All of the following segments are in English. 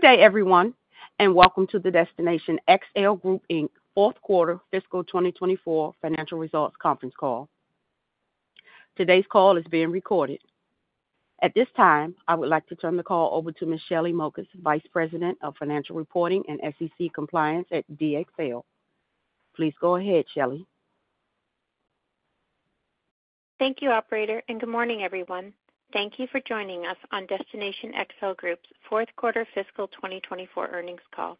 Good day, everyone, and welcome to the Destination XL Group Fourth Quarter Fiscal 2024 Financial Results Conference Call. Today's call is being recorded. At this time, I would like to turn the call over to Ms. Shelly Mokas, Vice President of Financial Reporting and SEC Compliance at DXL. Please go ahead, Shelly. Thank you, Operator, and good morning, everyone. Thank you for joining us on Destination XL Group's Fourth Quarter Fiscal 2024 earnings call.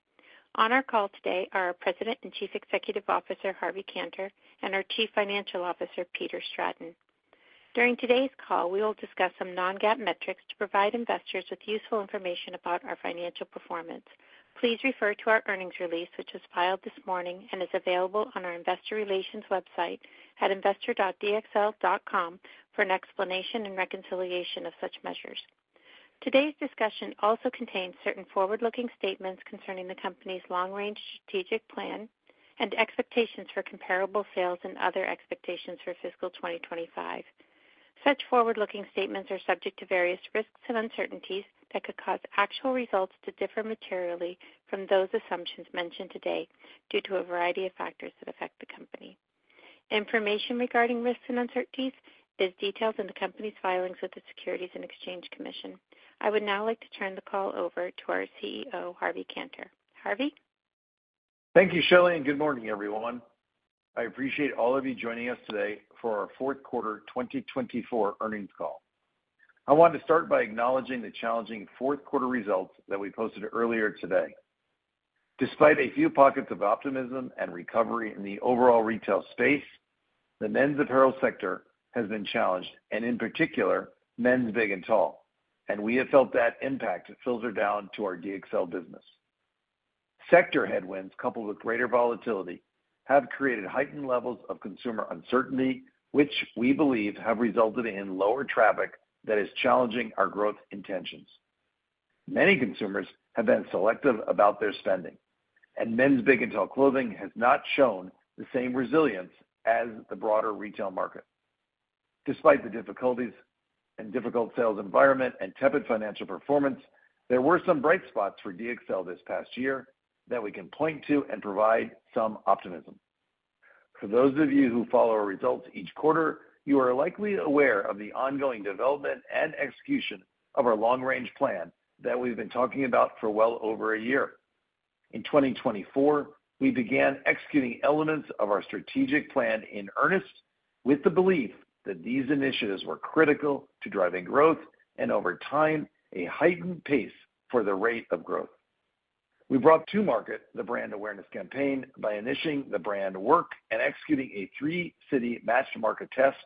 On our call today are our President and Chief Executive Officer, Harvey Kanter, and our Chief Financial Officer, Peter Stratton. During today's call, we will discuss some non-GAAP metrics to provide investors with useful information about our financial performance. Please refer to our earnings release, which was filed this morning and is available on our Investor Relations website at investor.dxl.com for an explanation and reconciliation of such measures. Today's discussion also contains certain forward-looking statements concerning the company's long-range strategic plan and expectations for comparable sales and other expectations for fiscal 2025. Such forward-looking statements are subject to various risks and uncertainties that could cause actual results to differ materially from those assumptions mentioned today due to a variety of factors that affect the company. Information regarding risks and uncertainties is detailed in the company's filings with the Securities and Exchange Commission. I would now like to turn the call over to our CEO, Harvey Kanter. Harvey. Thank you, Shelly, and good morning, everyone. I appreciate all of you joining us today for our Fourth Quarter 2024 Earnings Call. I want to start by acknowledging the challenging fourth quarter results that we posted earlier today. Despite a few pockets of optimism and recovery in the overall retail space, the men's apparel sector has been challenged, and in particular, men's big and tall, and we have felt that impact filter down to our DXL business. Sector headwinds coupled with greater volatility have created heightened levels of consumer uncertainty, which we believe have resulted in lower traffic that is challenging our growth intentions. Many consumers have been selective about their spending, and men's big and tall clothing has not shown the same resilience as the broader retail market. Despite the difficulties and difficult sales environment and tepid financial performance, there were some bright spots for DXL this past year that we can point to and provide some optimism. For those of you who follow our results each quarter, you are likely aware of the ongoing development and execution of our long-range plan that we've been talking about for well over a year. In 2024, we began executing elements of our strategic plan in earnest with the belief that these initiatives were critical to driving growth and, over time, a heightened pace for the rate of growth. We brought to market the brand awareness campaign by initiating the brand work and executing a three-city master market test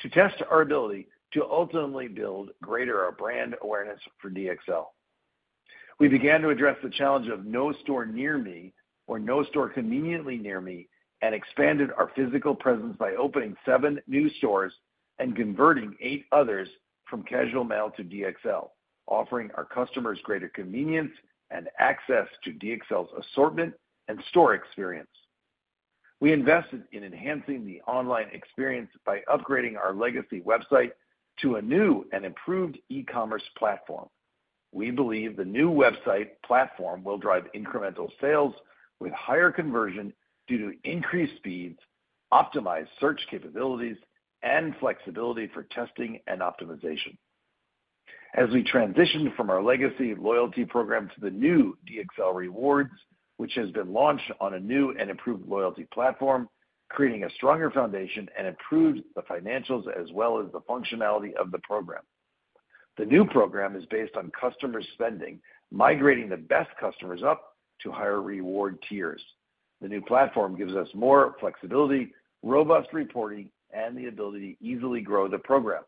to test our ability to ultimately build greater brand awareness for DXL. We began to address the challenge of no store near me or no store conveniently near me and expanded our physical presence by opening seven new stores and converting eight others from Casual Male to DXL, offering our customers greater convenience and access to DXL's assortment and store experience. We invested in enhancing the online experience by upgrading our legacy website to a new and improved e-commerce platform. We believe the new website platform will drive incremental sales with higher conversion due to increased speeds, optimized search capabilities, and flexibility for testing and optimization. As we transitioned from our legacy loyalty program to the new DXL Rewards, which has been launched on a new and improved loyalty platform, creating a stronger foundation and improved the financials as well as the functionality of the program. The new program is based on customer spending, migrating the best customers up to higher reward tiers. The new platform gives us more flexibility, robust reporting, and the ability to easily grow the program.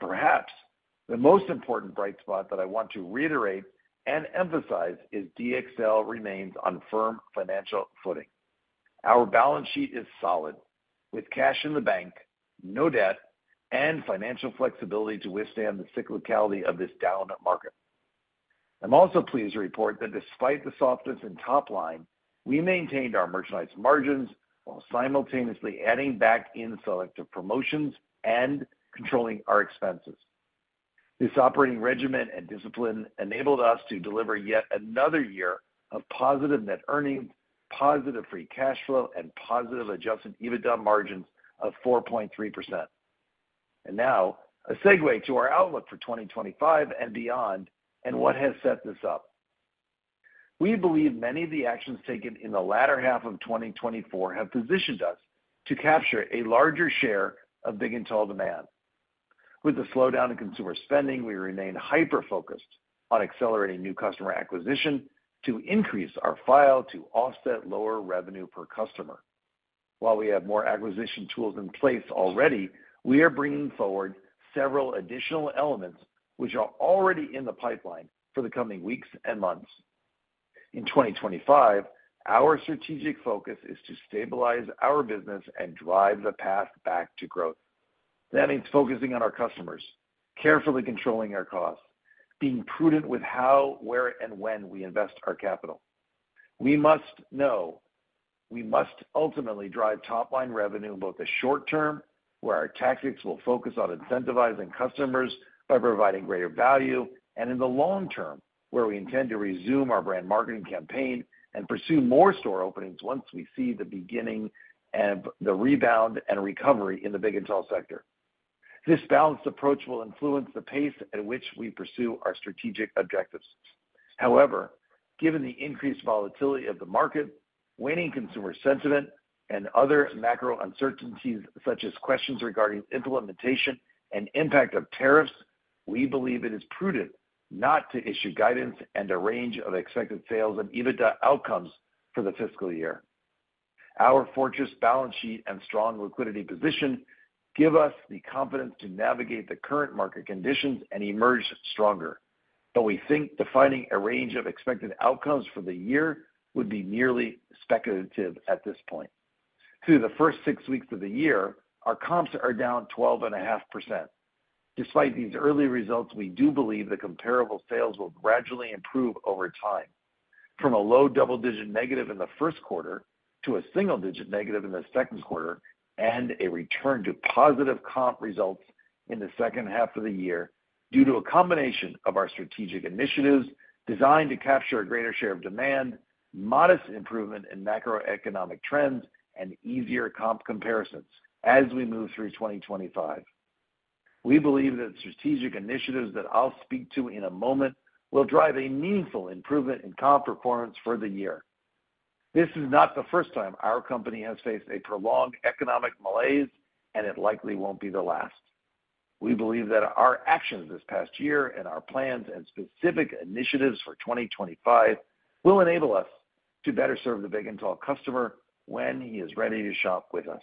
Perhaps the most important bright spot that I want to reiterate and emphasize is DXL remains on firm financial footing. Our balance sheet is solid, with cash in the bank, no debt, and financial flexibility to withstand the cyclicality of this down market. I'm also pleased to report that despite the softness in top line, we maintained our merchandise margins while simultaneously adding back in selective promotions and controlling our expenses. This operating regimen and discipline enabled us to deliver yet another year of positive net earnings, positive free cash flow, and positive adjusted EBITDA margins of 4.3%. Now, a segue to our outlook for 2025 and beyond and what has set this up. We believe many of the actions taken in the latter half of 2024 have positioned us to capture a larger share of big and tall demand. With the slowdown in consumer spending, we remain hyper-focused on accelerating new customer acquisition to increase our file to offset lower revenue per customer. While we have more acquisition tools in place already, we are bringing forward several additional elements which are already in the pipeline for the coming weeks and months. In 2025, our strategic focus is to stabilize our business and drive the path back to growth. That means focusing on our customers, carefully controlling our costs, being prudent with how, where, and when we invest our capital. We must know we must ultimately drive top-line revenue both the short term, where our tactics will focus on incentivizing customers by providing greater value, and in the long term, where we intend to resume our brand marketing campaign and pursue more store openings once we see the beginning of the rebound and recovery in the big and tall sector. This balanced approach will influence the pace at which we pursue our strategic objectives. However, given the increased volatility of the market, waning consumer sentiment, and other macro uncertainties such as questions regarding implementation and impact of tariffs, we believe it is prudent not to issue guidance and arrange expected sales and EBITDA outcomes for the fiscal year. Our fortress balance sheet and strong liquidity position give us the confidence to navigate the current market conditions and emerge stronger, but we think defining a range of expected outcomes for the year would be merely speculative at this point. Through the first six weeks of the year, our comps are down 12.5%. Despite these early results, we do believe the comparable sales will gradually improve over time, from a low double-digit negative in the first quarter to a single-digit negative in the second quarter and a return to positive comp results in the second half of the year due to a combination of our strategic initiatives designed to capture a greater share of demand, modest improvement in macroeconomic trends, and easier comp comparisons as we move through 2025. We believe that strategic initiatives that I'll speak to in a moment will drive a meaningful improvement in comp performance for the year. This is not the first time our company has faced a prolonged economic malaise, and it likely will not be the last. We believe that our actions this past year and our plans and specific initiatives for 2025 will enable us to better serve the big and tall customer when he is ready to shop with us.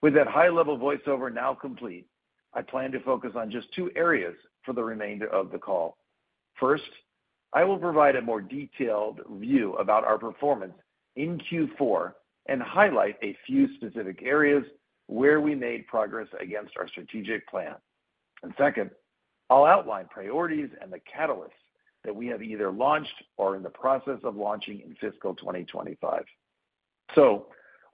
With that high-level voiceover now complete, I plan to focus on just two areas for the remainder of the call. First, I will provide a more detailed view about our performance in Q4 and highlight a few specific areas where we made progress against our strategic plan. Second, I'll outline priorities and the catalysts that we have either launched or are in the process of launching in Fiscal 2025.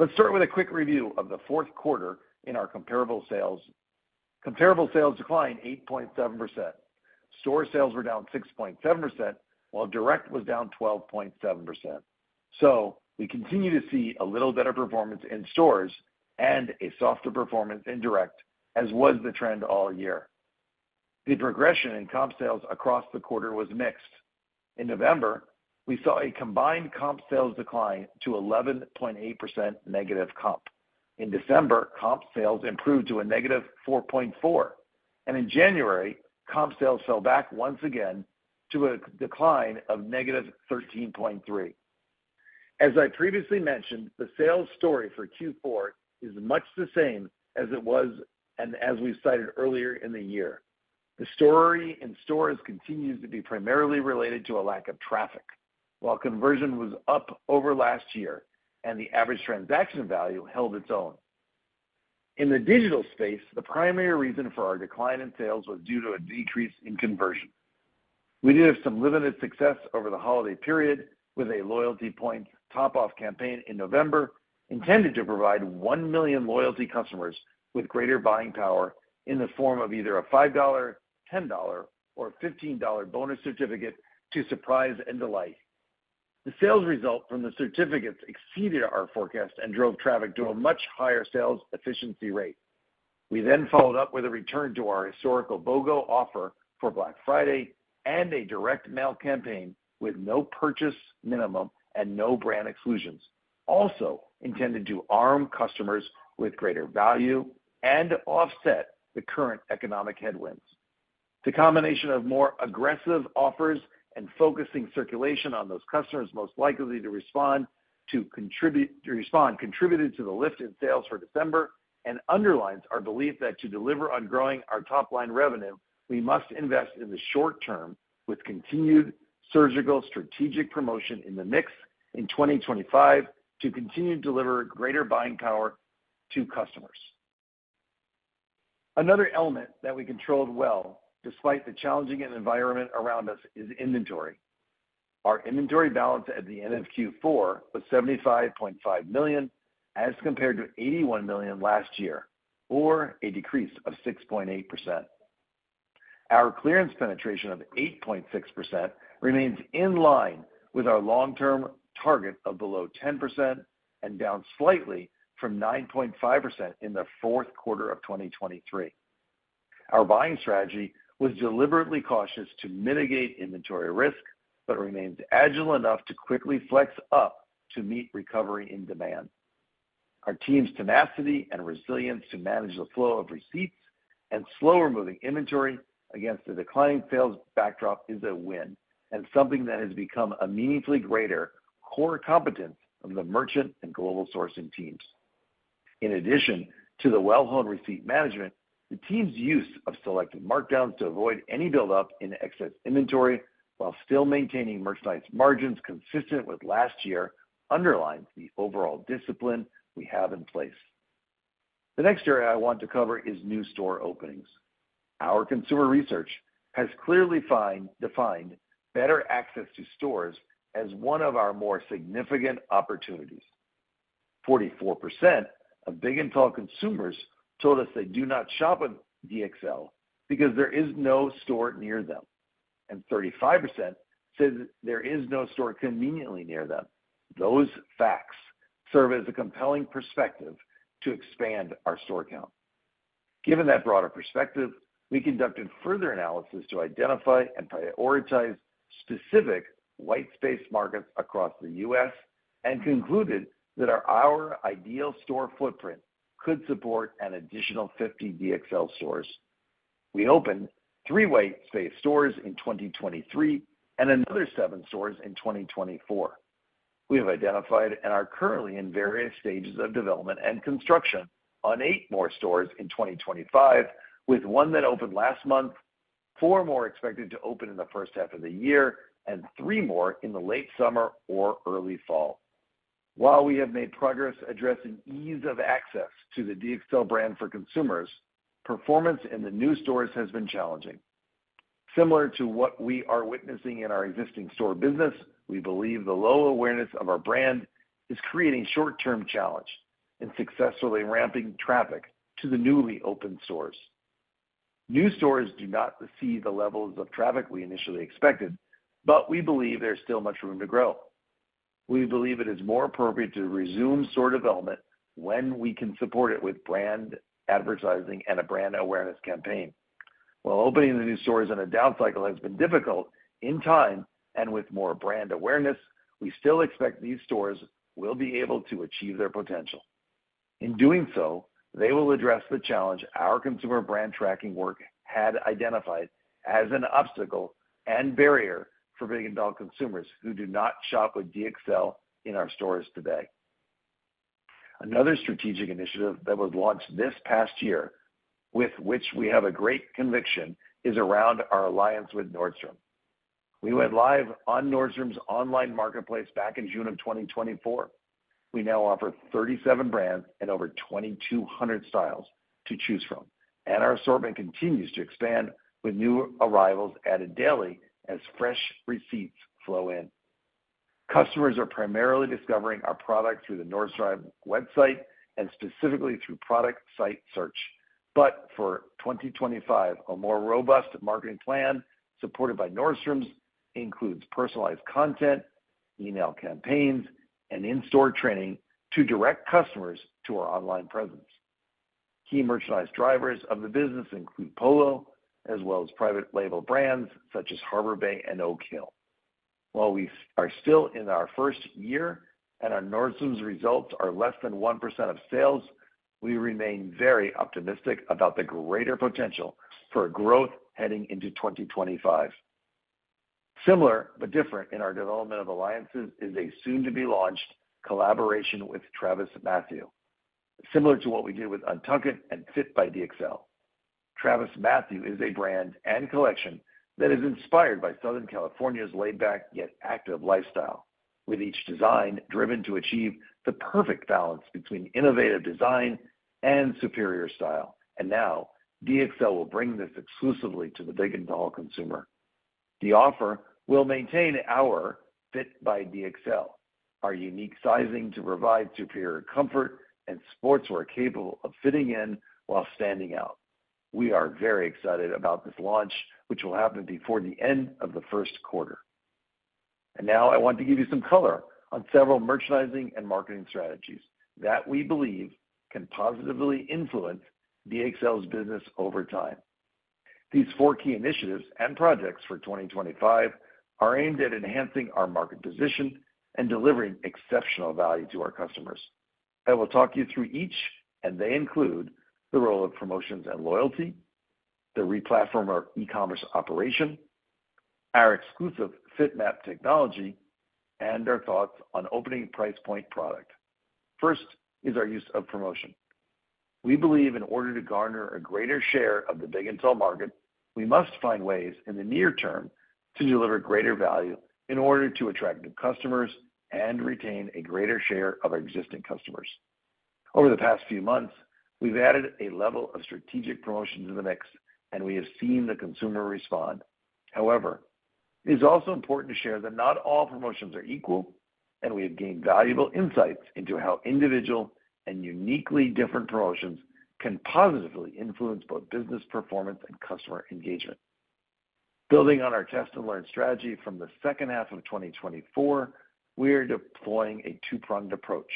Let's start with a quick review of the fourth quarter in our comparable sales. Comparable sales declined 8.7%. Store sales were down 6.7%, while direct was down 12.7%. We continue to see a little better performance in stores and a softer performance in direct, as was the trend all year. The progression in comp sales across the quarter was mixed. In November, we saw a combined comp sales decline to 11.8% negative comp. In December, comp sales improved to a negative 4.4%, and in January, comp sales fell back once again to a decline of negative 13.3%. As I previously mentioned, the sales story for Q4 is much the same as it was, and as we've cited earlier in the year. The story in stores continues to be primarily related to a lack of traffic, while conversion was up over last year and the average transaction value held its own. In the digital space, the primary reason for our decline in sales was due to a decrease in conversion. We did have some limited success over the holiday period with a loyalty points top-off campaign in November intended to provide 1 million loyalty customers with greater buying power in the form of either a $5, $10, or $15 bonus certificate to surprise and delight. The sales result from the certificates exceeded our forecast and drove traffic to a much higher sales efficiency rate. We then followed up with a return to our historical BOGO offer for Black Friday and a direct mail campaign with no purchase minimum and no brand exclusions, also intended to arm customers with greater value and offset the current economic headwinds. The combination of more aggressive offers and focusing circulation on those customers most likely to respond contributed to the lift in sales for December and underlines our belief that to deliver on growing our top-line revenue, we must invest in the short term with continued surgical strategic promotion in the mix in 2025 to continue to deliver greater buying power to customers. Another element that we controlled well despite the challenging environment around us is inventory. Our inventory balance at the end of Q4 was $75.5 million as compared to $81 million last year, or a decrease of 6.8%. Our clearance penetration of 8.6% remains in line with our long-term target of below 10% and down slightly from 9.5% in the fourth quarter of 2023. Our buying strategy was deliberately cautious to mitigate inventory risk, but remained agile enough to quickly flex up to meet recovery in demand. Our team's tenacity and resilience to manage the flow of receipts and slower-moving inventory against the declining sales backdrop is a win and something that has become a meaningfully greater core competence of the merchant and global sourcing teams. In addition to the well-held receipt management, the team's use of selective markdowns to avoid any buildup in excess inventory while still maintaining merchandise margins consistent with last year underlines the overall discipline we have in place. The next area I want to cover is new store openings. Our consumer research has clearly defined better access to stores as one of our more significant opportunities. 44% of big and tall consumers told us they do not shop in DXL because there is no store near them, and 35% said there is no store conveniently near them. Those facts serve as a compelling perspective to expand our store count. Given that broader perspective, we conducted further analysis to identify and prioritize specific white space markets across the U.S. and concluded that our ideal store footprint could support an additional 50 DXL stores. We opened three white space stores in 2023 and another seven stores in 2024. We have identified and are currently in various stages of development and construction on eight more stores in 2025, with one that opened last month, four more expected to open in the first half of the year, and three more in the late summer or early fall. While we have made progress addressing ease of access to the DXL brand for consumers, performance in the new stores has been challenging. Similar to what we are witnessing in our existing store business, we believe the low awareness of our brand is creating short-term challenge and successfully ramping traffic to the newly opened stores. New stores do not receive the levels of traffic we initially expected, but we believe there's still much room to grow. We believe it is more appropriate to resume store development when we can support it with brand advertising and a brand awareness campaign. While opening the new stores in a down cycle has been difficult in time and with more brand awareness, we still expect these stores will be able to achieve their potential. In doing so, they will address the challenge our consumer brand tracking work had identified as an obstacle and barrier for big and tall consumers who do not shop with DXL in our stores today. Another strategic initiative that was launched this past year with which we have a great conviction is around our alliance with Nordstrom. We went live on Nordstrom's online marketplace back in June of 2024. We now offer 37 brands and over 2,200 styles to choose from, and our assortment continues to expand with new arrivals added daily as fresh receipts flow in. Customers are primarily discovering our product through the Nordstrom website and specifically through product site search, but for 2025, a more robust marketing plan supported by Nordstrom includes personalized content, email campaigns, and in-store training to direct customers to our online presence. Key merchandise drivers of the business include Polo, as well as private label brands such as Harbor Bay and Oak Hill. While we are still in our first year and our Nordstrom results are less than 1% of sales, we remain very optimistic about the greater potential for growth heading into 2025. Similar but different in our development of alliances is a soon-to-be-launched collaboration with TravisMathew, similar to what we did with UNTUCKit and Fit by DXL. TravisMathew is a brand and collection that is inspired by Southern California's laid-back yet active lifestyle, with each design driven to achieve the perfect balance between innovative design and superior style. DXL will bring this exclusively to the big and tall consumer. The offer will maintain our Fit by DXL, our unique sizing to provide superior comfort and sportswear capable of fitting in while standing out. We are very excited about this launch, which will happen before the end of the first quarter. I want to give you some color on several merchandising and marketing strategies that we believe can positively influence DXL's business over time. These four key initiatives and projects for 2025 are aimed at enhancing our market position and delivering exceptional value to our customers. I will talk you through each, and they include the role of promotions and loyalty, the replatform of e-commerce operation, our exclusive FitMAP technology, and our thoughts on opening price point product. First is our use of promotion. We believe in order to garner a greater share of the big and tall market, we must find ways in the near term to deliver greater value in order to attract new customers and retain a greater share of our existing customers. Over the past few months, we've added a level of strategic promotions in the mix, and we have seen the consumer respond. However, it is also important to share that not all promotions are equal, and we have gained valuable insights into how individual and uniquely different promotions can positively influence both business performance and customer engagement. Building on our test and learn strategy from the second half of 2024, we are deploying a two-pronged approach.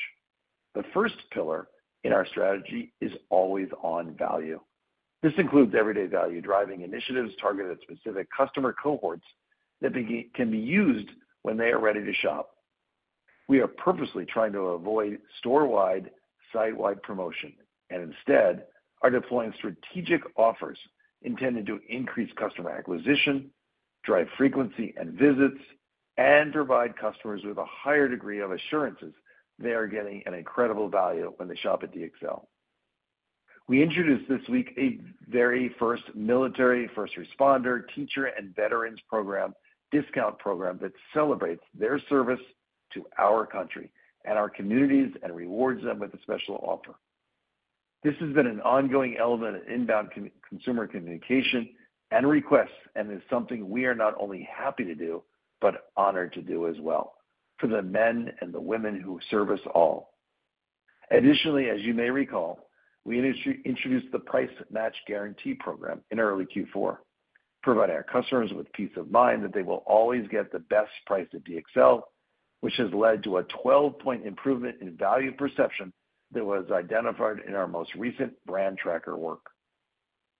The first pillar in our strategy is always on value. This includes everyday value-driving initiatives targeted at specific customer cohorts that can be used when they are ready to shop. We are purposely trying to avoid store-wide, site-wide promotion and instead are deploying strategic offers intended to increase customer acquisition, drive frequency and visits, and provide customers with a higher degree of assurances they are getting an incredible value when they shop at DXL. We introduced this week a very first military, first responder, teacher, and veterans program discount program that celebrates their service to our country and our communities and rewards them with a special offer. This has been an ongoing element of inbound consumer communication and requests and is something we are not only happy to do, but honored to do as well for the men and the women who service all. Additionally, as you may recall, we introduced the price match guarantee program in early Q4, providing our customers with peace of mind that they will always get the best price at DXL, which has led to a 12-point improvement in value perception that was identified in our most recent brand tracker work.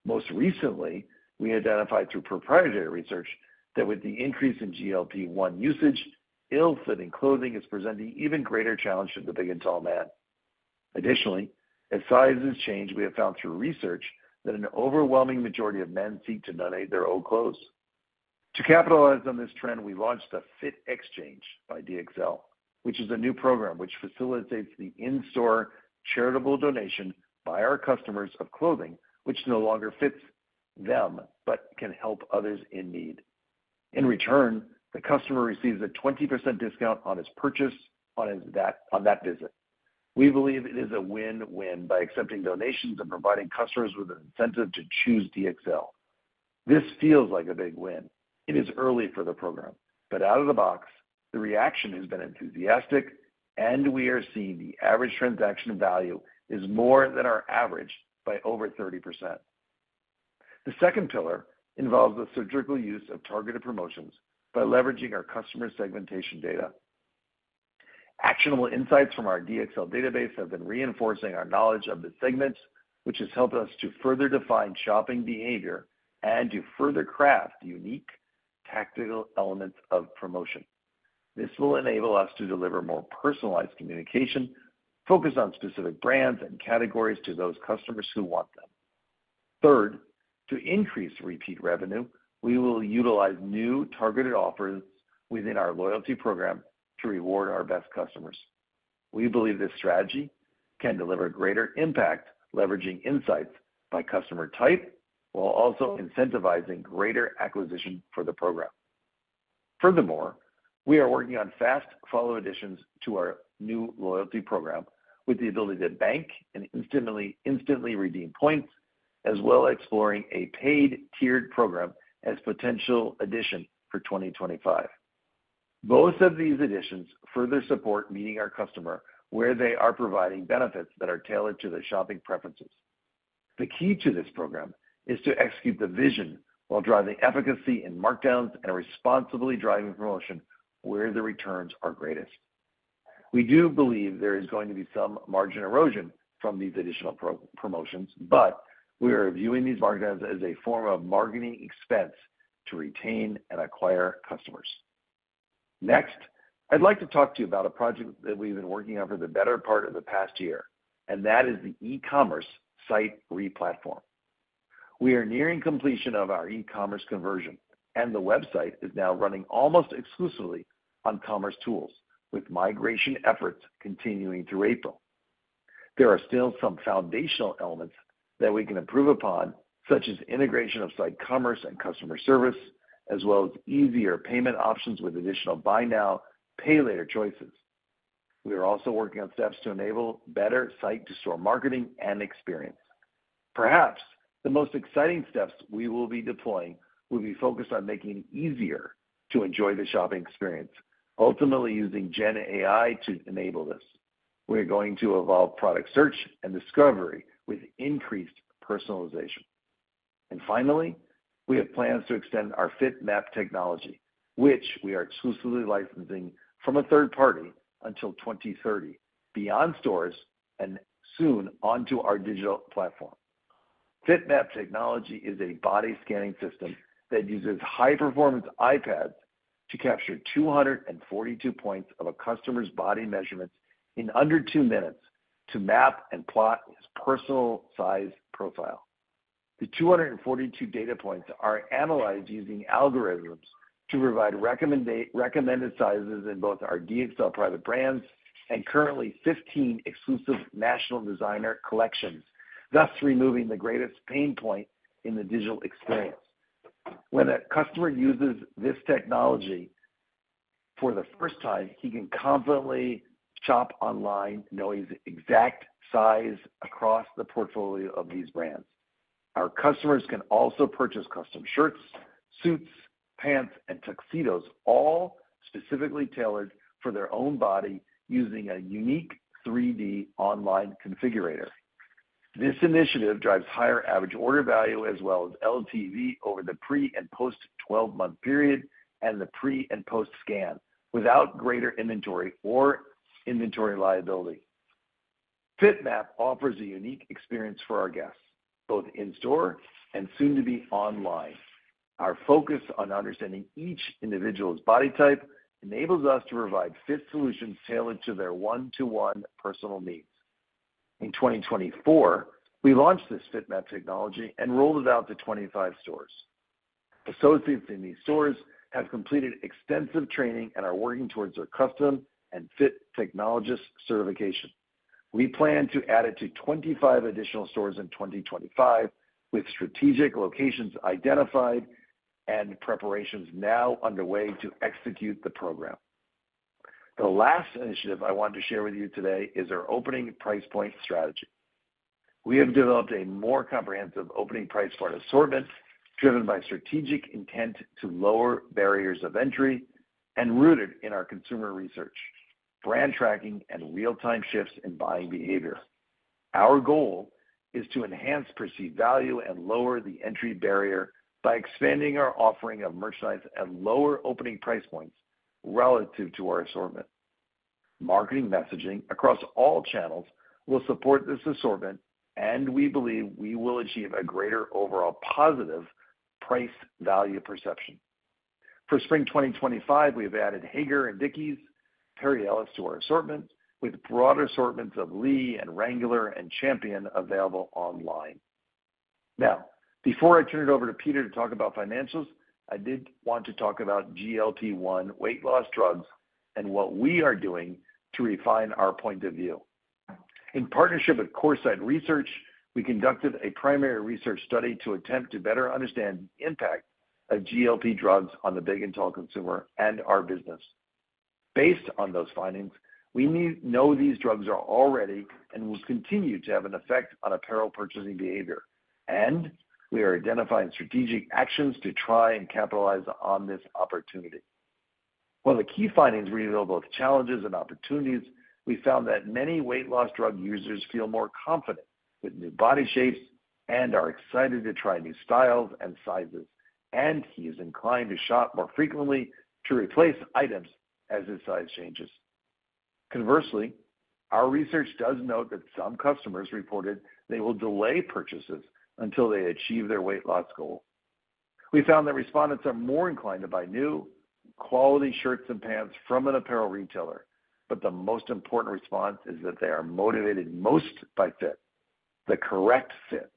Most recently, we identified through proprietary research that with the increase in GLP-1 usage, ill-fitting clothing is presenting even greater challenge to the big and tall man. Additionally, as sizes change, we have found through research that an overwhelming majority of men seek to donate their old clothes. To capitalize on this trend, we launched the Fit Exchange by DXL, which is a new program that facilitates the in-store charitable donation by our customers of clothing which no longer fits them, but can help others in need. In return, the customer receives a 20% discount on his purchase on that visit. We believe it is a win-win by accepting donations and providing customers with an incentive to choose DXL. This feels like a big win. It is early for the program, but out of the box, the reaction has been enthusiastic and we are seeing the average transaction value is more than our average by over 30%. The second pillar involves the surgical use of targeted promotions by leveraging our customer segmentation data. Actionable insights from our DXL database have been reinforcing our knowledge of the segments, which has helped us to further define shopping behavior and to further craft unique tactical elements of promotion. This will enable us to deliver more personalized communication focused on specific brands and categories to those customers who want them. Third, to increase repeat revenue, we will utilize new targeted offers within our loyalty program to reward our best customers. We believe this strategy can deliver greater impact leveraging insights by customer type while also incentivizing greater acquisition for the program. Furthermore, we are working on fast follow additions to our new loyalty program with the ability to bank and instantly redeem points, as well as exploring a paid tiered program as a potential addition for 2025. Both of these additions further support meeting our customer where they are, providing benefits that are tailored to their shopping preferences. The key to this program is to execute the vision while driving efficacy in markdowns and responsibly driving promotion where the returns are greatest. We do believe there is going to be some margin erosion from these additional promotions, but we are viewing these markdowns as a form of marketing expense to retain and acquire customers. Next, I'd like to talk to you about a project that we've been working on for the better part of the past year, and that is the e-commerce site replatform. We are nearing completion of our e-commerce conversion, and the website is now running almost exclusively on commercetools, with migration efforts continuing through April. There are still some foundational elements that we can improve upon, such as integration of site commerce and customer service, as well as easier payment options with additional buy now, pay later choices. We are also working on steps to enable better site to store marketing and experience. Perhaps the most exciting steps we will be deploying will be focused on making it easier to enjoy the shopping experience, ultimately using Gen AI to enable this. We are going to evolve product search and discovery with increased personalization. Finally, we have plans to extend our FitMAP technology, which we are exclusively licensing from a third party until 2030, beyond stores and soon onto our digital platform. FitMAP technology is a body scanning system that uses high-performance iPads to capture 242 points of a customer's body measurements in under two minutes to map and plot his personal size profile. The 242 data points are analyzed using algorithms to provide recommended sizes in both our DXL private brands and currently 15 exclusive national designer collections, thus removing the greatest pain point in the digital experience. When a customer uses this technology for the first time, he can confidently shop online knowing the exact size across the portfolio of these brands. Our customers can also purchase custom shirts, suits, pants, and tuxedos, all specifically tailored for their own body using a unique 3D online configurator. This initiative drives higher average order value as well as LTV over the pre and post 12-month period and the pre and post scan without greater inventory or inventory liability. FitMAP offers a unique experience for our guests, both in store and soon to be online. Our focus on understanding each individual's body type enables us to provide fit solutions tailored to their one-to-one personal needs. In 2024, we launched this FitMAP technology and rolled it out to 25 stores. Associates in these stores have completed extensive training and are working towards their custom and fit technologist certification. We plan to add it to 25 additional stores in 2025 with strategic locations identified and preparations now underway to execute the program. The last initiative I want to share with you today is our opening price point strategy. We have developed a more comprehensive opening price point assortment driven by strategic intent to lower barriers of entry and rooted in our consumer research, brand tracking, and real-time shifts in buying behavior. Our goal is to enhance perceived value and lower the entry barrier by expanding our offering of merchandise and lower opening price points relative to our assortment. Marketing messaging across all channels will support this assortment, and we believe we will achieve a greater overall positive price value perception. For spring 2025, we have added Haggar and Dickies, Perry Ellis to our assortment with broad assortments of Lee and Wrangler and Champion available online. Now, before I turn it over to Peter to talk about financials, I did want to talk about GLP-1 weight loss drugs and what we are doing to refine our point of view. In partnership with Coresight Research, we conducted a primary research study to attempt to better understand the impact of GLP-1 drugs on the big and tall consumer and our business. Based on those findings, we know these drugs are already and will continue to have an effect on apparel purchasing behavior, and we are identifying strategic actions to try and capitalize on this opportunity. While the key findings reveal both challenges and opportunities, we found that many weight loss drug users feel more confident with new body shapes and are excited to try new styles and sizes, and he is inclined to shop more frequently to replace items as his size changes. Conversely, our research does note that some customers reported they will delay purchases until they achieve their weight loss goal. We found that respondents are more inclined to buy new quality shirts and pants from an apparel retailer, but the most important response is that they are motivated most by fit, the correct fit,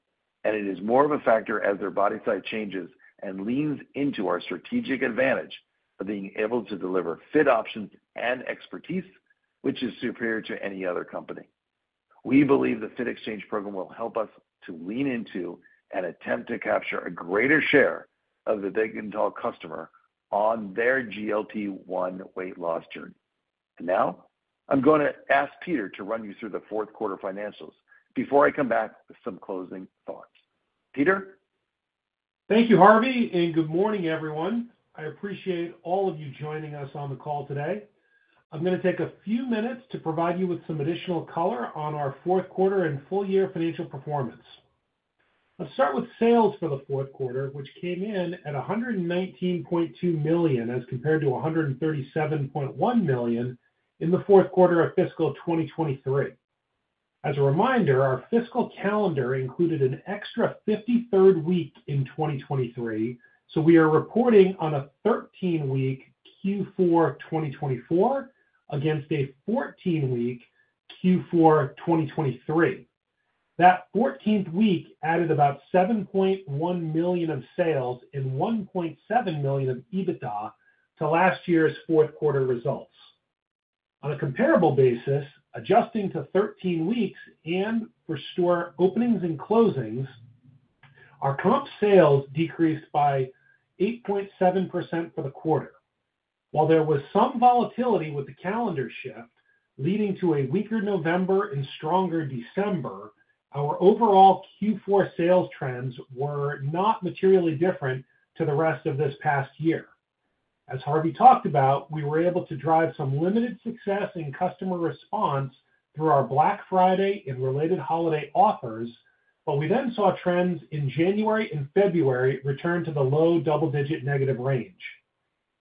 and it is more of a factor as their body size changes and leans into our strategic advantage of being able to deliver fit options and expertise, which is superior to any other company. We believe the Fit Exchange program will help us to lean into and attempt to capture a greater share of the big and tall customer on their GLP-1 weight loss journey. Now I'm going to ask Peter to run you through the fourth quarter financials before I come back with some closing thoughts. Peter. Thank you, Harvey, and good morning, everyone. I appreciate all of you joining us on the call today. I'm going to take a few minutes to provide you with some additional color on our fourth quarter and full year financial performance. Let's start with sales for the fourth quarter, which came in at $119.2 million as compared to $137.1 million in the fourth quarter of fiscal 2023. As a reminder, our fiscal calendar included an extra 53rd week in 2023, so we are reporting on a 13-week Q4 2024 against a 14-week Q4 2023. That 14th week added about $7.1 million of sales and $1.7 million of EBITDA to last year's fourth quarter results. On a comparable basis, adjusting to 13 weeks and restore openings and closings, our comp sales decreased by 8.7% for the quarter. While there was some volatility with the calendar shift leading to a weaker November and stronger December, our overall Q4 sales trends were not materially different to the rest of this past year. As Harvey talked about, we were able to drive some limited success in customer response through our Black Friday and related holiday offers, but we then saw trends in January and February return to the low double-digit negative range.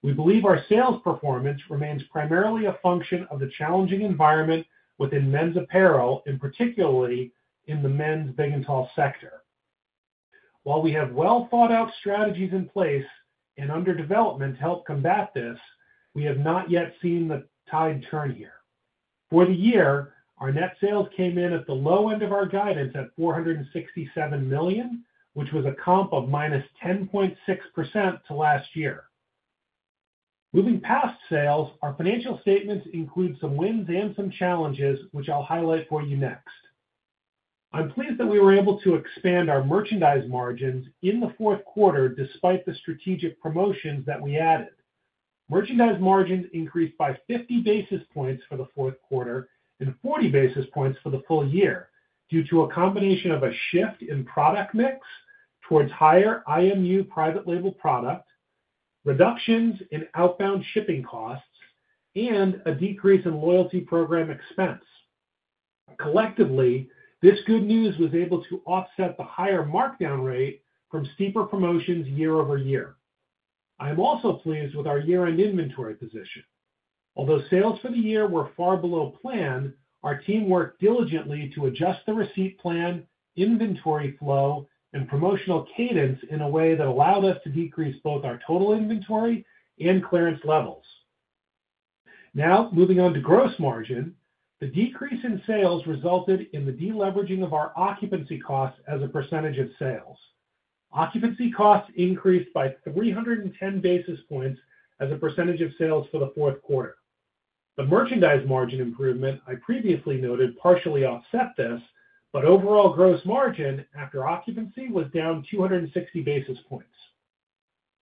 We believe our sales performance remains primarily a function of the challenging environment within men's apparel, and particularly in the men's big and tall sector. While we have well-thought-out strategies in place and under development to help combat this, we have not yet seen the tide turn here. For the year, our net sales came in at the low end of our guidance at $467 million, which was a comp of -10.6% to last year. Moving past sales, our financial statements include some wins and some challenges, which I'll highlight for you next. I'm pleased that we were able to expand our merchandise margins in the fourth quarter despite the strategic promotions that we added. Merchandise margins increased by 50 basis points for the fourth quarter and 40 basis points for the full year due to a combination of a shift in product mix towards higher IMU private label product, reductions in outbound shipping costs, and a decrease in loyalty program expense. Collectively, this good news was able to offset the higher markdown rate from steeper promotions year-over-year. I am also pleased with our year-end inventory position. Although sales for the year were far below planned, our team worked diligently to adjust the receipt plan, inventory flow, and promotional cadence in a way that allowed us to decrease both our total inventory and clearance levels. Now, moving on to gross margin, the decrease in sales resulted in the deleveraging of our occupancy costs as a percentage of sales. Occupancy costs increased by 310 basis points as a percentage of sales for the fourth quarter. The merchandise margin improvement I previously noted partially offset this, but overall gross margin after occupancy was down 260 basis points.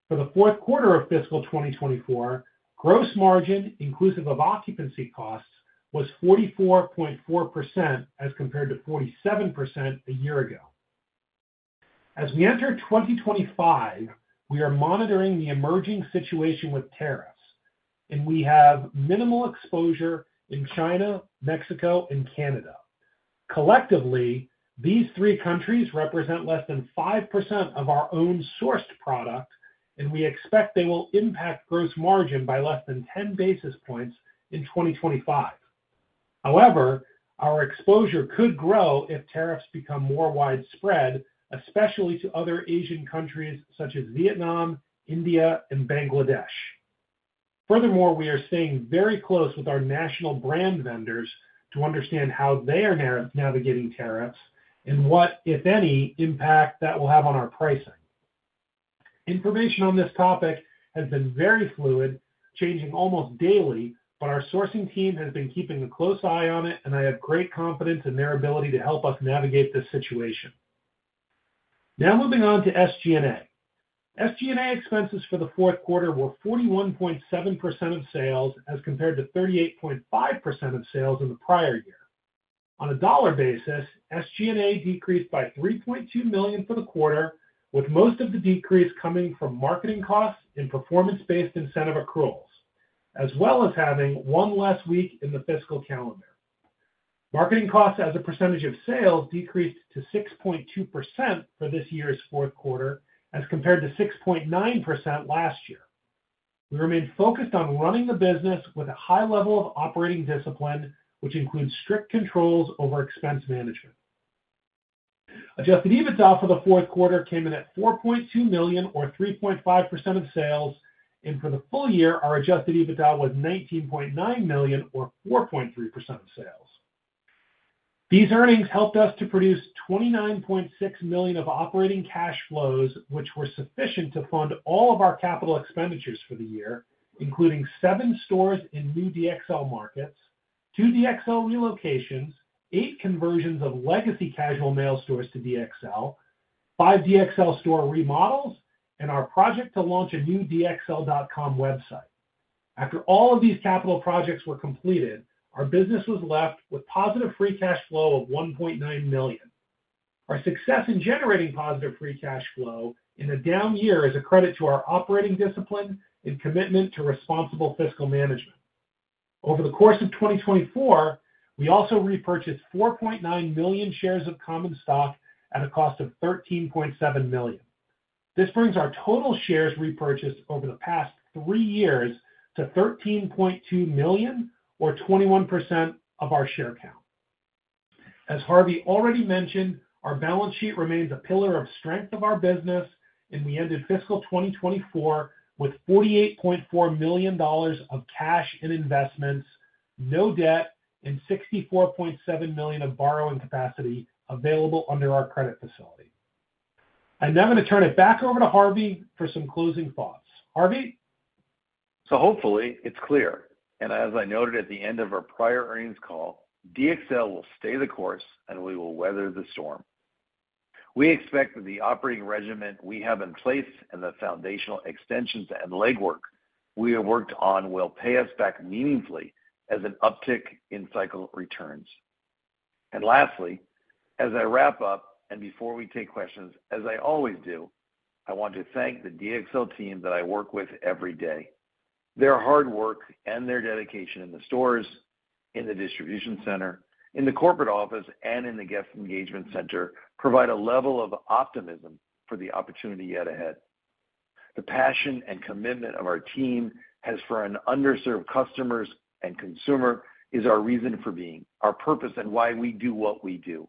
For the fourth quarter of fiscal 2024, gross margin inclusive of occupancy costs was 44.4% as compared to 47% a year ago. As we enter 2025, we are monitoring the emerging situation with tariffs, and we have minimal exposure in China, Mexico, and Canada. Collectively, these three countries represent less than 5% of our own sourced product, and we expect they will impact gross margin by less than 10 basis points in 2025. However, our exposure could grow if tariffs become more widespread, especially to other Asian countries such as Vietnam, India, and Bangladesh. Furthermore, we are staying very close with our national brand vendors to understand how they are navigating tariffs and what, if any, impact that will have on our pricing. Information on this topic has been very fluid, changing almost daily, but our sourcing team has been keeping a close eye on it, and I have great confidence in their ability to help us navigate this situation. Now moving on to SG&A. SG&A expenses for the fourth quarter were 41.7% of sales as compared to 38.5% of sales in the prior year. On a dollar basis, SG&A decreased by $3.2 million for the quarter, with most of the decrease coming from marketing costs and performance-based incentive accruals, as well as having one less week in the fiscal calendar. Marketing costs as a percentage of sales decreased to 6.2% for this year's fourth quarter as compared to 6.9% last year. We remained focused on running the business with a high level of operating discipline, which includes strict controls over expense management. Adjusted EBITDA for the fourth quarter came in at $4.2 million, or 3.5% of sales, and for the full year, our adjusted EBITDA was $19.9 million, or 4.3% of sales. These earnings helped us to produce $29.6 million of operating cash flows, which were sufficient to fund all of our capital expenditures for the year, including seven stores in new DXL markets, two DXL relocations, eight conversions of legacy Casual Male stores to DXL, five DXL store remodels, and our project to launch a new DXL.com website. After all of these capital projects were completed, our business was left with positive free cash flow of $1.9 million. Our success in generating positive free cash flow in a down year is a credit to our operating discipline and commitment to responsible fiscal management. Over the course of 2024, we also repurchased 4.9 million shares of common stock at a cost of $13.7 million. This brings our total shares repurchased over the past three years to 13.2 million, or 21% of our share count. As Harvey already mentioned, our balance sheet remains a pillar of strength of our business, and we ended fiscal 2024 with $48.4 million of cash and investments, no debt, and $64.7 million of borrowing capacity available under our credit facility. I'm now going to turn it back over to Harvey for some closing thoughts. Harvey. Hopefully it's clear. As I noted at the end of our prior earnings call, DXL will stay the course and we will weather the storm. We expect that the operating regimen we have in place and the foundational extensions and legwork we have worked on will pay us back meaningfully as an uptick in cycle returns. Lastly, as I wrap up and before we take questions, as I always do, I want to thank the DXL team that I work with every day. Their hard work and their dedication in the stores, in the distribution center, in the corporate office, and in the guest engagement center provide a level of optimism for the opportunity yet ahead. The passion and commitment our team has for an underserved customer and consumer is our reason for being, our purpose, and why we do what we do.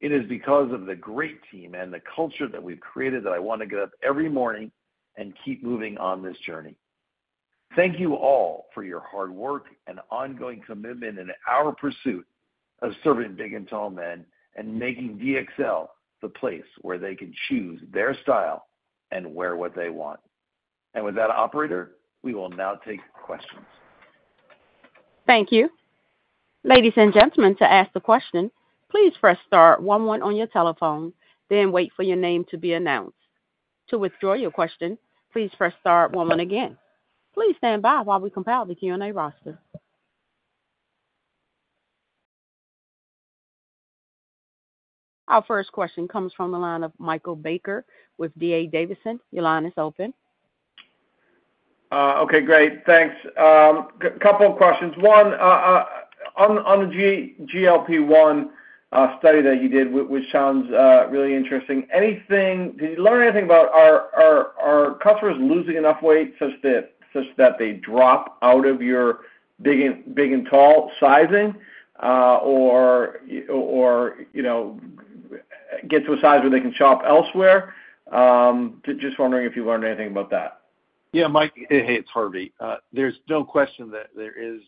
It is because of the great team and the culture that we've created that I want to get up every morning and keep moving on this journey. Thank you all for your hard work and ongoing commitment in our pursuit of serving big and tall men and making DXL the place where they can choose their style and wear what they want. With that, operator, we will now take questions. Thank you. Ladies and gentlemen, to ask the question, please press star one one on your telephone, then wait for your name to be announced. To withdraw your question, please press star one one again. Please stand by while we compile the Q&A roster. Our first question comes from the line of Michael Baker with D.A. Davidson. Your line is open. Okay, great. Thanks. A couple of questions. One, on the GLP-1 study that you did, which sounds really interesting, did you learn anything about our customers losing enough weight such that they drop out of your big and tall sizing or get to a size where they can shop elsewhere? Just wondering if you learned anything about that. Yeah, Mike, it's Harvey. There's no question that there is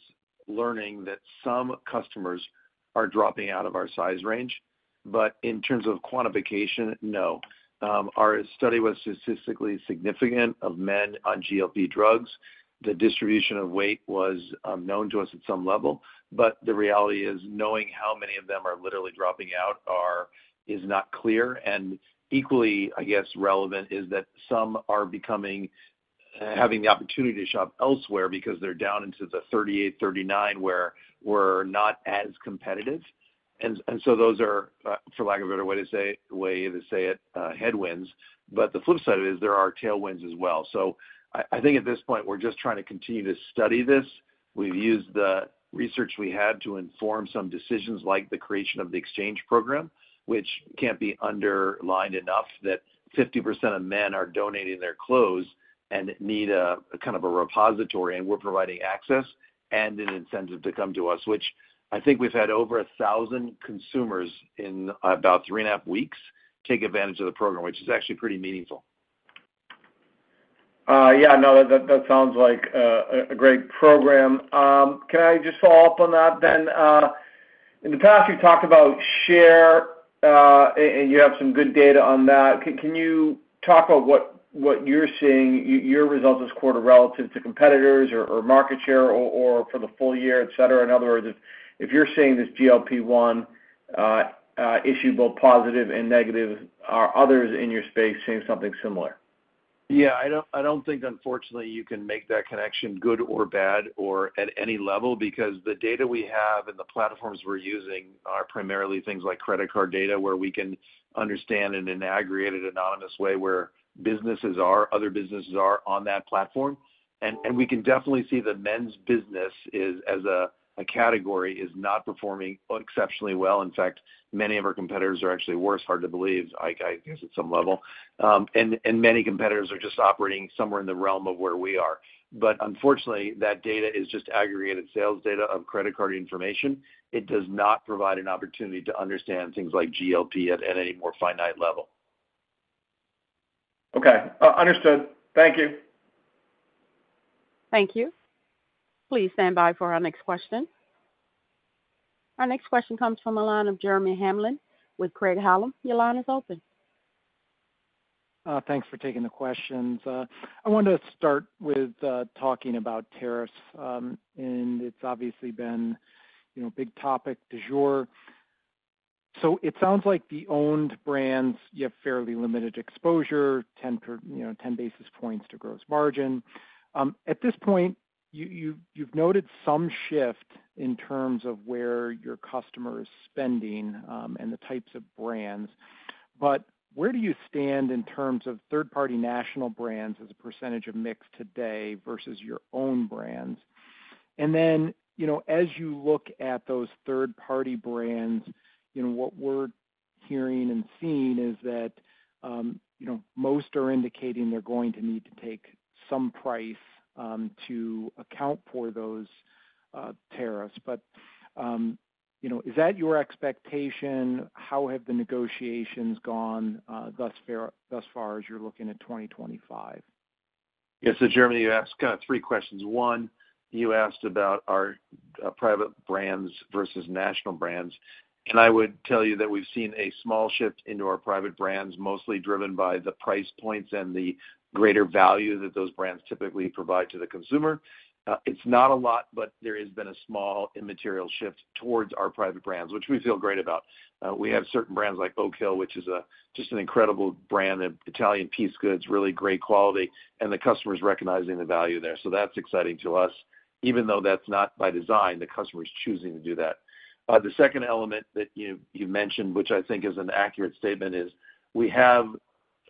learning that some customers are dropping out of our size range, but in terms of quantification, no. Our study was statistically significant of men on GLP-1 drugs. The distribution of weight was known to us at some level, but the reality is knowing how many of them are literally dropping out is not clear. Equally, I guess, relevant is that some are having the opportunity to shop elsewhere because they're down into the 38, 39 where we're not as competitive. Those are, for lack of a better way to say it, headwinds. The flip side of it is there are tailwinds as well. I think at this point, we're just trying to continue to study this. We've used the research we had to inform some decisions like the creation of the exchange program, which can't be underlined enough that 50% of men are donating their clothes and need a kind of a repository, and we're providing access and an incentive to come to us, which I think we've had over 1,000 consumers in about three and a half weeks take advantage of the program, which is actually pretty meaningful. Yeah, no, that sounds like a great program. Can I just follow up on that then? In the past, you talked about share, and you have some good data on that. Can you talk about what you're seeing, your results this quarter relative to competitors or market share or for the full year, etc.? In other words, if you're seeing this GLP-1 issue both positive and negative, are others in your space seeing something similar? Yeah, I don't think, unfortunately, you can make that connection good or bad or at any level because the data we have and the platforms we're using are primarily things like credit card data where we can understand in an aggregated, anonymous way where businesses are, other businesses are on that platform. We can definitely see that men's business as a category is not performing exceptionally well. In fact, many of our competitors are actually worse, hard to believe, I guess, at some level. Many competitors are just operating somewhere in the realm of where we are. Unfortunately, that data is just aggregated sales data of credit card information. It does not provide an opportunity to understand things like GLP-1 at any more finite level. Okay, understood. Thank you. Thank you. Please stand by for our next question. Our next question comes from the line of Jeremy Hamblin with Craig-Hallum. Your line is open. Thanks for taking the questions. I want to start with talking about tariffs, and it's obviously been a big topic to sure. It sounds like the owned brands, you have fairly limited exposure, 10 basis points to gross margin. At this point, you've noted some shift in terms of where your customer is spending and the types of brands. Where do you stand in terms of third-party national brands as a percentage of mix today versus your own brands? As you look at those third-party brands, what we're hearing and seeing is that most are indicating they're going to need to take some price to account for those tariffs. Is that your expectation? How have the negotiations gone thus far as you're looking at 2025? Yeah, so Jeremy, you asked kind of three questions. One, you asked about our private brands versus national brands. I would tell you that we've seen a small shift into our private brands, mostly driven by the price points and the greater value that those brands typically provide to the consumer. It's not a lot, but there has been a small immaterial shift towards our private brands, which we feel great about. We have certain brands like Oak Hill, which is just an incredible brand of Italian piece goods, really great quality, and the customer's recognizing the value there. That's exciting to us, even though that's not by design, the customer's choosing to do that. The second element that you mentioned, which I think is an accurate statement, is we have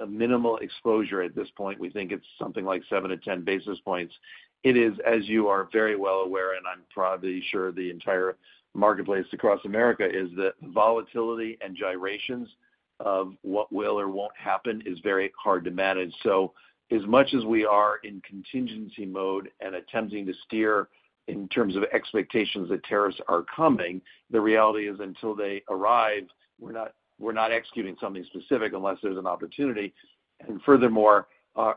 a minimal exposure at this point. We think it's something like 7-10 basis points. It is, as you are very well aware, and I'm probably sure the entire marketplace across America, is that volatility and gyrations of what will or won't happen is very hard to manage. As much as we are in contingency mode and attempting to steer in terms of expectations that tariffs are coming, the reality is until they arrive, we're not executing something specific unless there's an opportunity. Furthermore,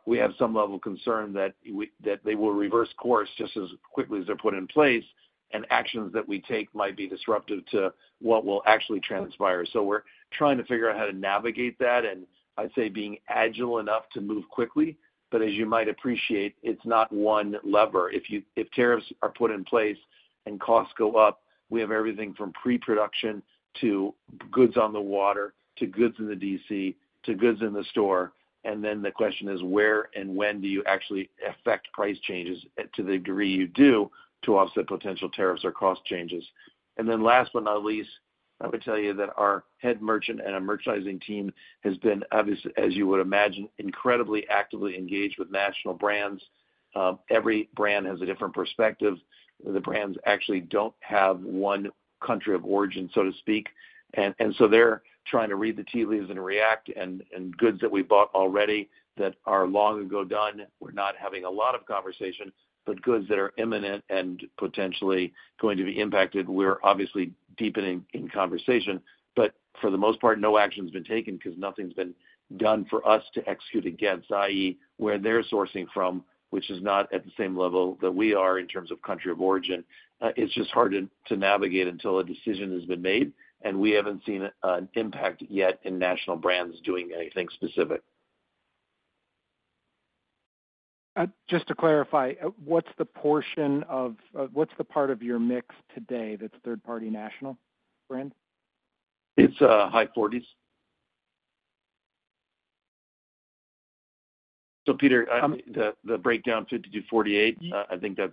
we have some level of concern that they will reverse course just as quickly as they're put in place, and actions that we take might be disruptive to what will actually transpire. We're trying to figure out how to navigate that, and I'd say being agile enough to move quickly. As you might appreciate, it's not one lever. If tariffs are put in place and costs go up, we have everything from pre-production to goods on the water to goods in the DC to goods in the store. The question is, where and when do you actually affect price changes to the degree you do to offset potential tariffs or cost changes? Last but not least, I would tell you that our head merchant and our merchandising team has been, as you would imagine, incredibly actively engaged with national brands. Every brand has a different perspective. The brands actually do not have one country of origin, so to speak. They are trying to read the tea leaves and react, and goods that we bought already that are long ago done, we are not having a lot of conversation, but goods that are imminent and potentially going to be impacted, we are obviously deepening in conversation. For the most part, no action has been taken because nothing's been done for us to execute against, i.e., where they're sourcing from, which is not at the same level that we are in terms of country of origin. It's just hard to navigate until a decision has been made, and we haven't seen an impact yet in national brands doing anything specific. Just to clarify, what's the portion of what's the part of your mix today that's third-party national brand? It's high 40s. Peter, the breakdown 50 to 48, I think that's—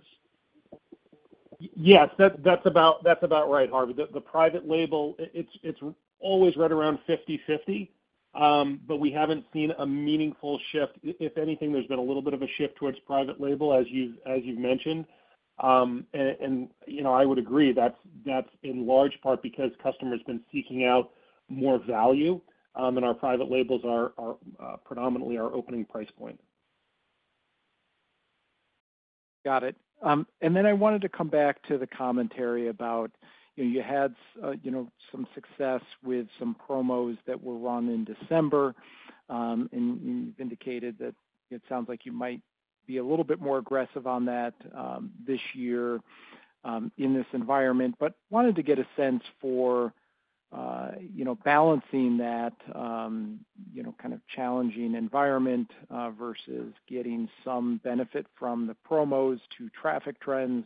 Yes, that's about right, Harvey. The private label, it's always right around 50/50, but we haven't seen a meaningful shift. If anything, there's been a little bit of a shift towards private label, as you've mentioned. I would agree that's in large part because customers have been seeking out more value, and our private labels are predominantly our opening price point. Got it. I wanted to come back to the commentary about you had some success with some promos that were run in December, and you've indicated that it sounds like you might be a little bit more aggressive on that this year in this environment. I wanted to get a sense for balancing that kind of challenging environment versus getting some benefit from the promos to traffic trends.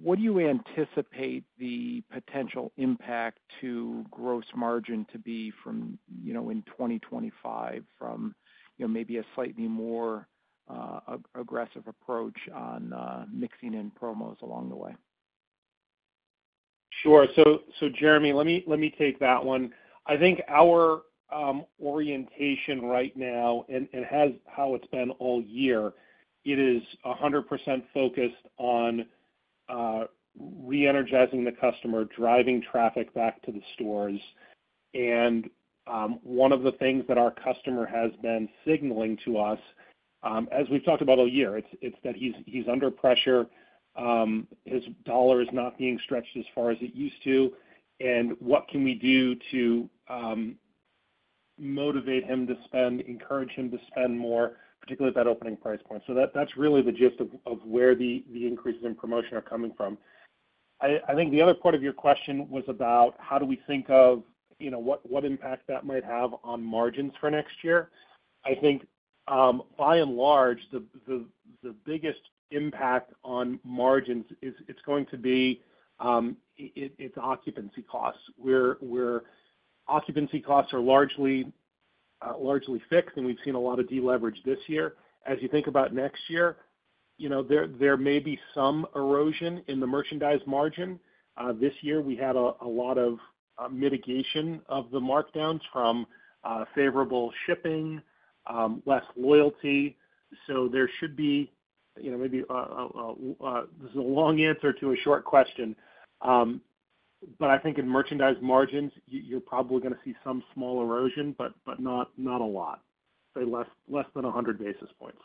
What do you anticipate the potential impact to gross margin to be in 2025 from maybe a slightly more aggressive approach on mixing in promos along the way? Sure. Jeremy, let me take that one. I think our orientation right now, and it has how it's been all year, it is 100% focused on re-energizing the customer, driving traffic back to the stores. One of the things that our customer has been signaling to us, as we've talked about all year, it's that he's under pressure, his dollar is not being stretched as far as it used to, and what can we do to motivate him to spend, encourage him to spend more, particularly at that opening price point. That's really the gist of where the increases in promotion are coming from. I think the other part of your question was about how do we think of what impact that might have on margins for next year. I think by and large, the biggest impact on margins is it's going to be its occupancy costs. Occupancy costs are largely fixed, and we've seen a lot of deleverage this year. As you think about next year, there may be some erosion in the merchandise margin. This year, we had a lot of mitigation of the markdowns from favorable shipping, less loyalty. There should be maybe this is a long answer to a short question, but I think in merchandise margins, you're probably going to see some small erosion, but not a lot. Say less than 100 basis points.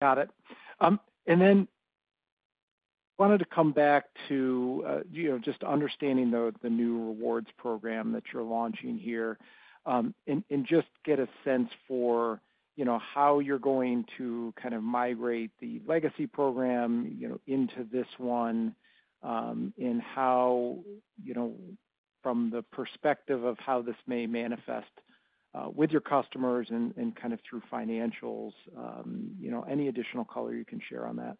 Got it. I wanted to come back to just understanding the new rewards program that you're launching here and just get a sense for how you're going to kind of migrate the legacy program into this one and how, from the perspective of how this may manifest with your customers and kind of through financials, any additional color you can share on that.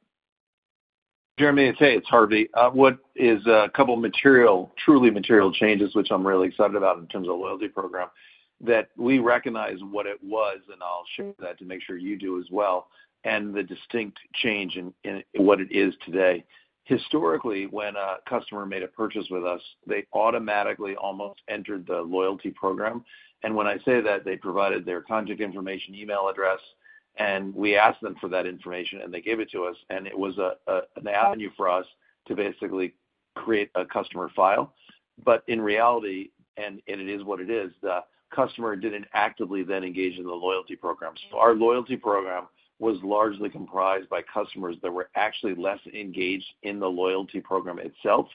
Jeremy, I'd say it's Harvey. What is a couple of truly material changes, which I'm really excited about in terms of the loyalty program, that we recognize what it was, and I'll share that to make sure you do as well, and the distinct change in what it is today. Historically, when a customer made a purchase with us, they automatically almost entered the loyalty program. When I say that, they provided their contact information, email address, and we asked them for that information, and they gave it to us, and it was an avenue for us to basically create a customer file. In reality, and it is what it is, the customer didn't actively then engage in the loyalty program. Our loyalty program was largely comprised by customers that were actually less engaged in the loyalty program itself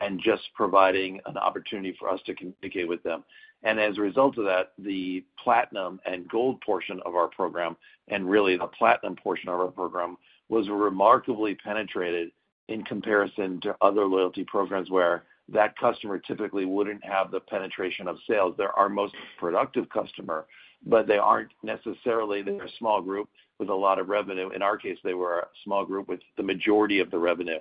and just providing an opportunity for us to communicate with them. As a result of that, the Platinum and Gold portion of our program, and really the Platinum portion of our program, was remarkably penetrated in comparison to other loyalty programs where that customer typically would not have the penetration of sales. They are our most productive customer, but they are not necessarily—they are a small group with a lot of revenue. In our case, they were a small group with the majority of the revenue.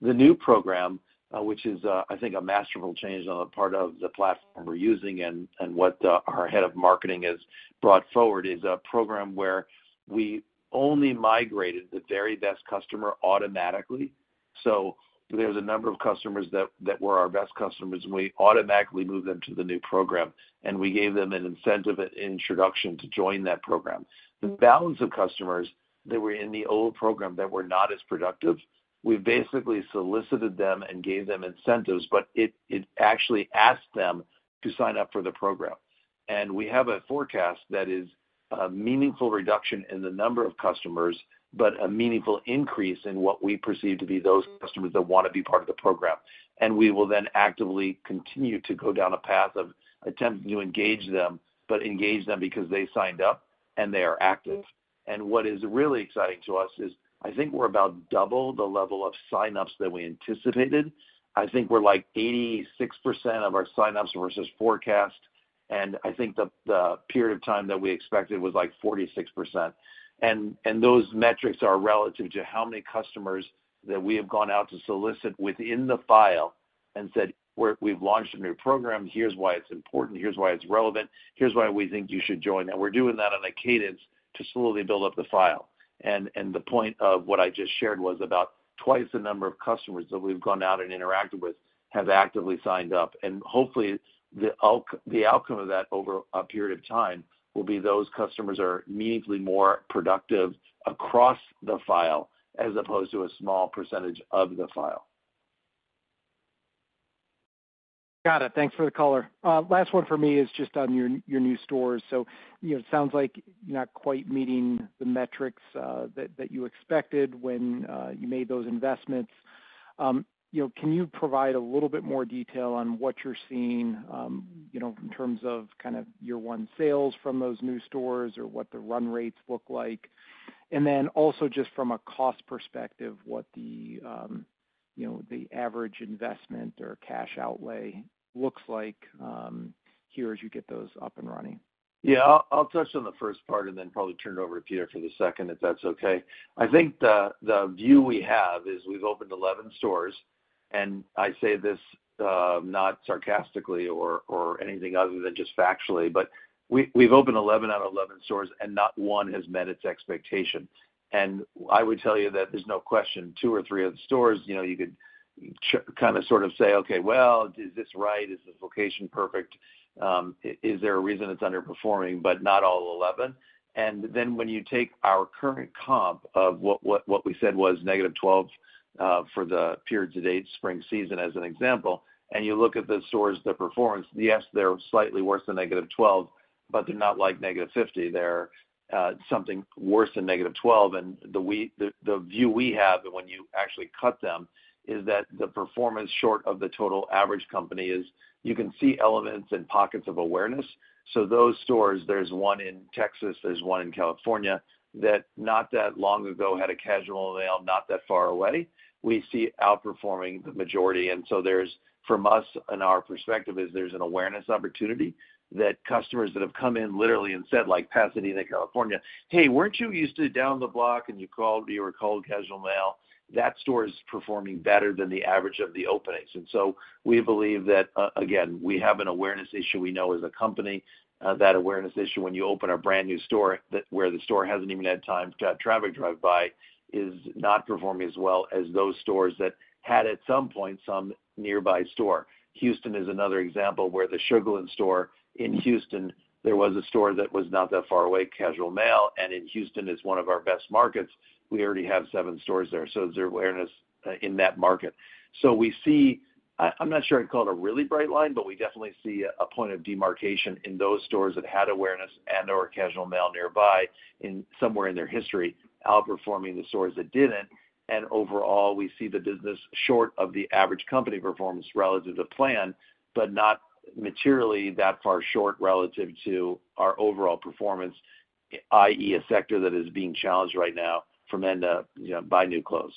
The new program, which is, I think, a masterful change on the part of the platform we are using and what our head of marketing has brought forward, is a program where we only migrated the very best customer automatically. There is a number of customers that were our best customers, and we automatically moved them to the new program, and we gave them an incentive at introduction to join that program. The balance of customers that were in the old program that were not as productive, we basically solicited them and gave them incentives, but it actually asked them to sign up for the program. We have a forecast that is a meaningful reduction in the number of customers, but a meaningful increase in what we perceive to be those customers that want to be part of the program. We will then actively continue to go down a path of attempting to engage them, but engage them because they signed up and they are active. What is really exciting to us is I think we are about double the level of sign-ups that we anticipated. I think we're like 86% of our sign-ups versus forecast, and I think the period of time that we expected was like 46%. Those metrics are relative to how many customers that we have gone out to solicit within the file and said, "We've launched a new program. Here's why it's important. Here's why it's relevant. Here's why we think you should join." We're doing that on a cadence to slowly build up the file. The point of what I just shared was about twice the number of customers that we've gone out and interacted with have actively signed up. Hopefully, the outcome of that over a period of time will be those customers are meaningfully more productive across the file as opposed to a small percentage of the file. Got it. Thanks for the color. Last one for me is just on your new stores. It sounds like you're not quite meeting the metrics that you expected when you made those investments. Can you provide a little bit more detail on what you're seeing in terms of kind of year-one sales from those new stores or what the run rates look like? Also, just from a cost perspective, what the average investment or cash outlay looks like here as you get those up and running? Yeah. I'll touch on the first part and then probably turn it over to Peter for the second, if that's okay. I think the view we have is we've opened 11 stores, and I say this not sarcastically or anything other than just factually, but we've opened 11 out of 11 stores, and not one has met its expectation. I would tell you that there's no question. Two or three of the stores, you could kind of sort of say, "Okay, is this right? Is this location perfect? Is there a reason it's underperforming?" Not all 11. When you take our current comp of what we said was -12 for the period to date, spring season as an example, and you look at the stores, the performance, yes, they're slightly worse than -12, but they're not like -50. They're something worse than -12. The view we have and when you actually cut them is that the performance short of the total average company is you can see elements and pockets of awareness. Those stores, there's one in Texas, there's one in California that not that long ago had a Casual Male not that far away. We see outperforming the majority. From us, our perspective is there's an awareness opportunity that customers have come in literally and said, like Pasadena, California, "Hey, weren't you used to be down the block and you're called Casual Male?" That store is performing better than the average of the openings. We believe that, again, we have an awareness issue. We know as a company that awareness issue when you open a brand new store where the store hasn't even had time to have traffic drive by is not performing as well as those stores that had at some point some nearby store. Houston is another example where the Sugar Land store in Houston, there was a store that was not that far away, Casual Male, and in Houston, it's one of our best markets. We already have seven stores there. There is awareness in that market. We see—I am not sure I'd call it a really bright line, but we definitely see a point of demarcation in those stores that had awareness and/or Casual Male nearby somewhere in their history, outperforming the stores that did not. Overall, we see the business short of the average company performance relative to plan, but not materially that far short relative to our overall performance, i.e., a sector that is being challenged right now for men to buy new clothes.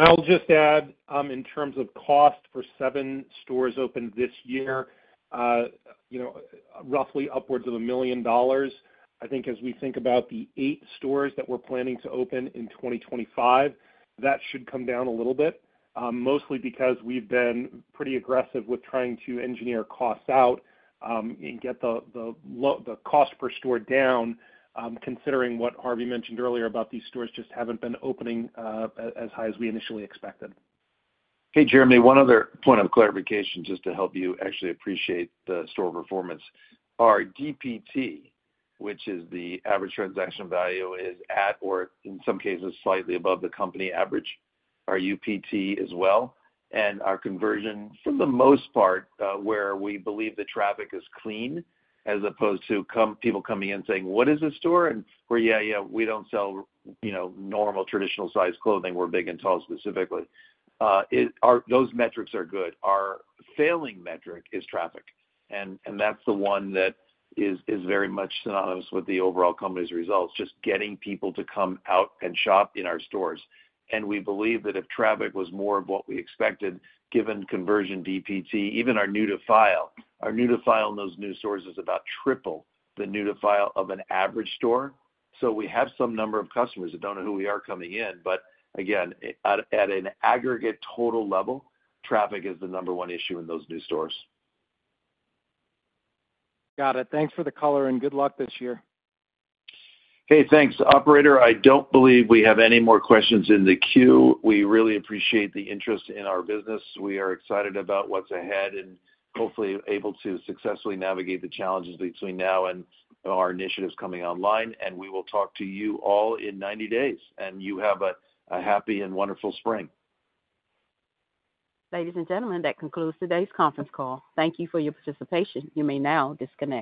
I'll just add, in terms of cost for seven stores opened this year, roughly upwards of $1 million. I think as we think about the eight stores that we're planning to open in 2025, that should come down a little bit, mostly because we've been pretty aggressive with trying to engineer costs out and get the cost per store down, considering what Harvey mentioned earlier about these stores just haven't been opening as high as we initially expected. Okay, Jeremy, one other point of clarification just to help you actually appreciate the store performance. Our DPT, which is the average transaction value, is at, or in some cases, slightly above the company average. Our UPT as well. Our conversion, for the most part, where we believe the traffic is clean as opposed to people coming in saying, "What is this store?" and we're, "Yeah, yeah, we don't sell normal traditional-sized clothing. We're big and tall specifically." Those metrics are good. Our failing metric is traffic. That is the one that is very much synonymous with the overall company's results, just getting people to come out and shop in our stores. We believe that if traffic was more of what we expected, given conversion DPT, even our new-to-file, our new-to-file in those new stores is about triple the new-to-file of an average store. We have some number of customers that do not know who we are coming in. Again, at an aggregate total level, traffic is the number one issue in those new stores. Got it. Thanks for the color and good luck this year. Hey, thanks. Operator, I do not believe we have any more questions in the queue. We really appreciate the interest in our business. We are excited about what is ahead and hopefully able to successfully navigate the challenges between now and our initiatives coming online. We will talk to you all in 90 days. You have a happy and wonderful spring. Ladies and gentlemen, that concludes today's conference call. Thank you for your participation. You may now disconnect.